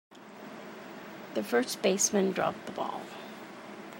The first baseman dropped the ball.